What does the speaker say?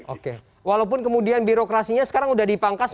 oke walaupun kemudian birokrasinya sekarang sudah dipangkas